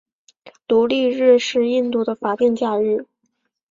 独立日是印度的国定假日。